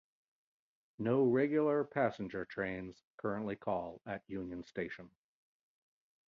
No regular passenger trains currently call at Union Station.